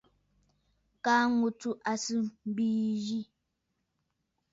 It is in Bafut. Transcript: Kaa ŋù tsù à sɨ mbìì zî.